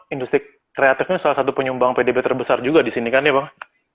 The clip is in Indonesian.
industri kreatif ini salah satu penyumbang pdb terbesar juga di sini kan ya bang